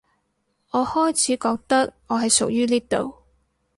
我開始覺得我係屬於呢度